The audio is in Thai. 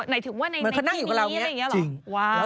เหมือนเค้านั่งอยู่กับเราเนี่ยเนี่ยหรอ